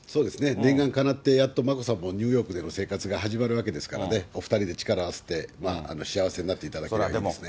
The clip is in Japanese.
念願かなって、やっと眞子さんもニューヨークでの生活が始まるわけですからね、お２人で力を合わせて、幸せになっていただけたらいいですね。